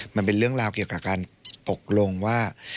มันเป็นเรื่องราวเกี่ยวกับการตกลงว่า